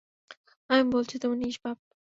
আমি বলছি, তুমি নিষ্পাপ।